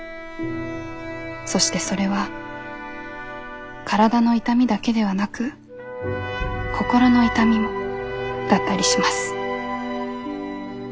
そしてそれは体の痛みだけではなく心の痛みもだったりします」。